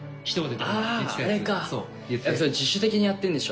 それ自主的にやってんでしょ？